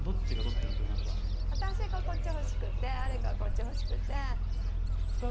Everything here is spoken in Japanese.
私はこっちが欲しくて、アレクはこっち欲しくて。